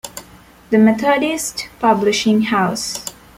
"The Methodist Publishing House".